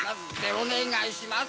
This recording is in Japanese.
おねがいします